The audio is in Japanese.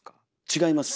違います。